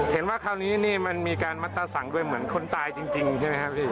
เห็นว่าคราวนี้นี่มันมีการมัตตาสั่งด้วยเหมือนคนตายจริงใช่ไหมครับพี่